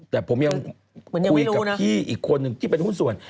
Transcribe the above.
แต่ผมยังคุยกับพี่อีกคนนึงที่เป็นหุ้นส่วน